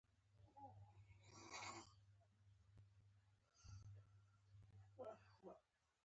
دوی مجبور وو چې په وړیا ډول کار وکړي.